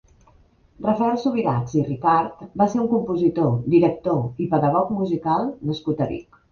Rafael Subirachs i Ricart va ser un compositor, director i pedagog musical nascut a Vic.